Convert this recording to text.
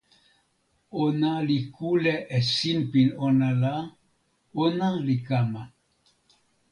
ona li kule e sinpin ona la, ona li kama.